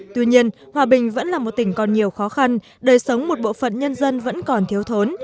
tuy nhiên hòa bình vẫn là một tỉnh còn nhiều khó khăn đời sống một bộ phận nhân dân vẫn còn thiếu thốn